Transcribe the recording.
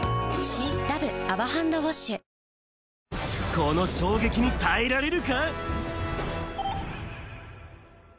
この衝撃に耐えられるか？